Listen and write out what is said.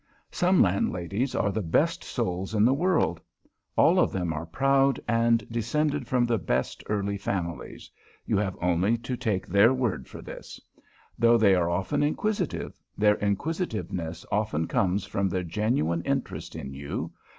Some Landladies are the best souls in the world. All of them are proud and descended from the best early families (you have only to take their word for this). Though they are often inquisitive, their inquisitiveness often comes from their genuine interest in you.